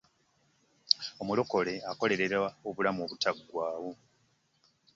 Omulokole akolerera obulamu obutaggwaawo.